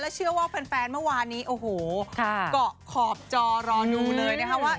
เชื่อว่าแฟนเมื่อวานนี้โอ้โหเกาะขอบจอรอดูเลยนะคะว่า